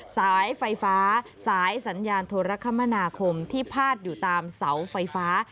สายไฟฟ้าสายสัญญาณโทรคมนาคมที่พาดอยู่ตามเสาไฟฟ้า